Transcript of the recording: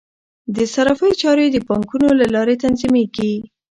د صرافۍ چارې د بانکونو له لارې تنظیمیږي.